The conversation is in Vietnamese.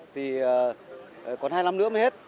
thì còn hai năm nữa mới hết